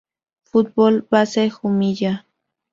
Fútbol Base Jumilla.